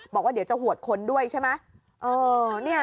บอกว่าเดี๋ยวจะหววดคนด้วยใช่มั้ยเออเนี้ย